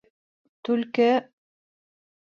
Түлке...